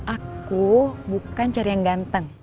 aku bukan cari yang ganteng